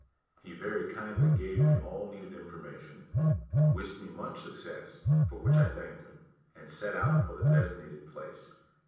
He very kindly gave me all needed information, wished me much success, for which I thanked him, and set out for the designated place.